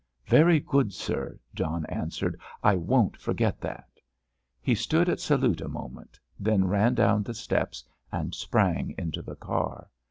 "Very good, sir," John answered, "I won't forget that." He stood at salute a moment, then ran down the steps and sprang into the car.